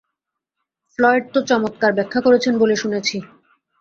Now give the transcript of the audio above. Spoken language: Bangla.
ফ্লয়েড তো চমৎকার ব্যাখ্যা করেছেন বলে শুনেছি।